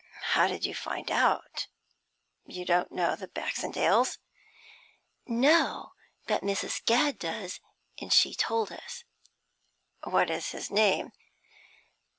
'How did you find it out? You don't know the Baxendales.' 'No, but Mrs. Gadd does, and she told us.' 'What's his name?'